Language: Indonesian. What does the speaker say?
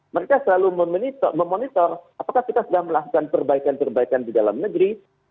mereka selalu memonitor apakah kita sudah melakukan perbaikan perbaikan di dalam negeri